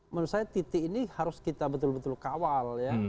menurut saya titik ini harus kita betul betul kawal ya